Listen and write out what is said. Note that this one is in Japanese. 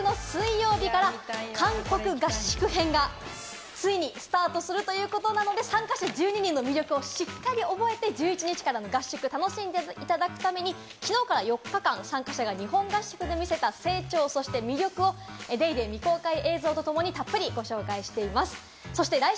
そしていよいよ、来週の水曜日から韓国合宿編がついにスタートするということなので、参加者１２人の魅力をしっかり覚えて１１日からの合宿を楽しんでいただくために、きのうから４日間、参加者が日本合宿で見せた成長と魅力を『ＤａｙＤａｙ．』未公開映像とともにたっぷりご紹介しています。